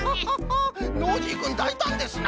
ノージーくんだいたんですな。